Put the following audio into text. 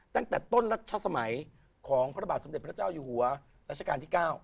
ตั้งแต่ต้นรัชสมัยของพระบาทสมเด็จพระเจ้าอยู่หัวรัชกาลที่๙